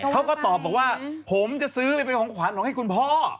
เขาก็ตอบบอกว่าผมจะซื้อเป็นของขวัญของให้คุณพ่อ